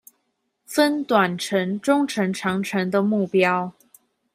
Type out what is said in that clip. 分短程中程長程的目標